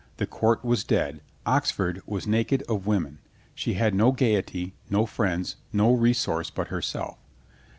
The court was dead. Oxford was naked of women. She had no gaiety, no friends, no resource but herself.